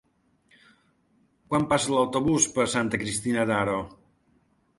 Quan passa l'autobús per Santa Cristina d'Aro?